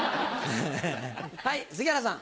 はい杉原さん。